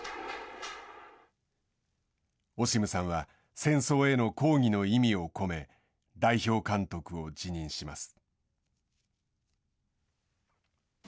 オシムさんは戦争への抗議の意味を込め代表監督を辞任します。